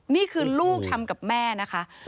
นี่คือลูกทำกับแม่นะคะ